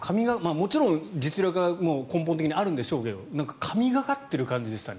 もちろん実力が根本的にあるんでしょうけど神懸かってる感じでしたね。